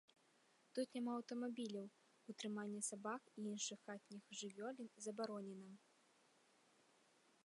Тут няма аўтамабіляў, утрыманне сабак і іншых хатніх жывёлін забаронена.